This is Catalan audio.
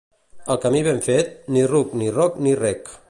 El camí ben fet, ni ruc, ni roc, ni rec.